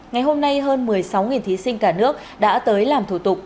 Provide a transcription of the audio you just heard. ngày hôm nay hơn một mươi sáu thí sinh cả nước đã tới làm thủ tục